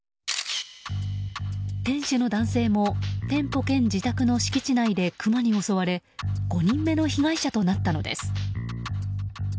店主の男性も店舗兼自宅の敷地内でクマに襲われ５人目の被害者となったのです。